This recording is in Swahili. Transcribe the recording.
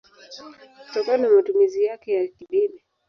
kutokana na matumizi yake ya kidini.